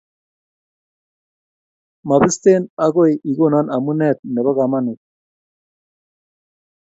mabisten agoi ikono amunet nebo kamanut